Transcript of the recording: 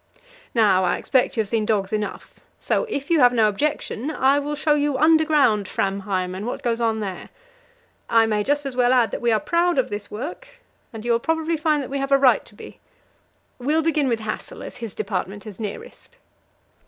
"Now I expect you have seen dogs enough, so, if you have no objection, I will show you underground Framheim and what goes on there. I may just as well add that we are proud of this work, and you will probably find that we have a right to be. We'll begin with Hassel, as his department is nearest."